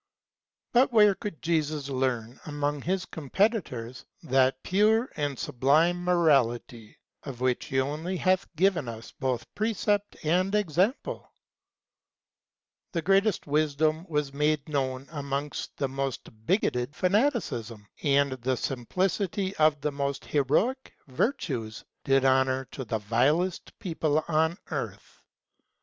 But where could Jesus learn, among his competitors, that pure and sublime morality, of which he only hath given us both precept and example ? The greatest wisdom was made known amongst the most bigoted fanaticism, and the simplicity of the most heroic virtues did honor to the vilest people on earth.